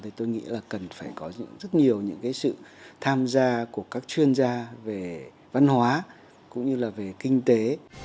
thì tôi nghĩ là cần phải có rất nhiều những sự tham gia của các chuyên gia về văn hóa cũng như là về kinh tế